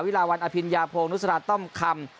วิราวันอภิญาโพงนุษยาต้อมคำ